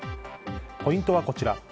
ポイントはこちら。